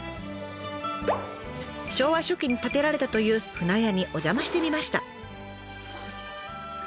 昭和初期に建てられたという舟屋にお邪魔してみました。